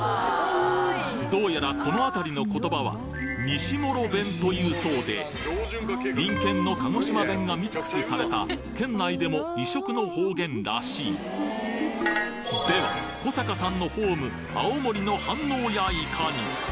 どうやらこの辺りの言葉は西諸弁と言うそうで隣県の鹿児島弁がミックスされた県内でも異色の方言らしいでは古坂さんのホーム青森の反応やいかに！？